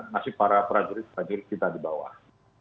nasib para jurid jurid kita di bawah